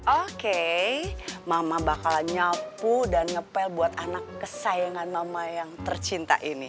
oke mama bakal nyapu dan ngepel buat anak kesayangan mama yang tercinta ini